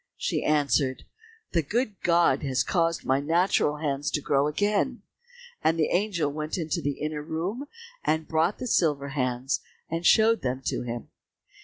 She answered, "The good God has caused my natural hands to grow again;" and the angel went into the inner room, and brought the silver hands, and showed them to him.